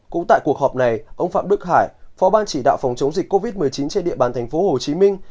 cũng tại cuộc họp này ông phạm đức hải phó ban chỉ đạo phòng chống dịch covid một mươi chín trên địa bàn thành phố hồ chí minh